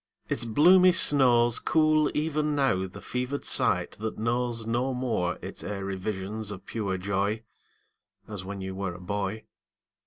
Its bloomy snows Cool even now the fevered sight that knows No more its airy visions of pure joy As when you were a boy.